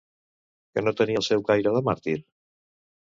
Què no tenia el seu caire de màrtir?